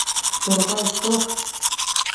— Турғай, тор!